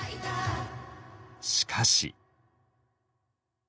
しかし。